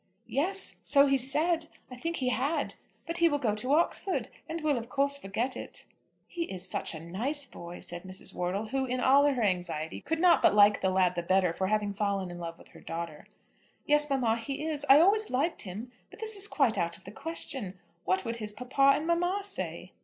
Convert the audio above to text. "Yes; so he said. I think he had. But he will go to Oxford, and will of course forget it." "He is such a nice boy," said Mrs. Wortle, who, in all her anxiety, could not but like the lad the better for having fallen in love with her daughter. "Yes, mamma; he is. I always liked him. But this is quite out of the question. What would his papa and mamma say?"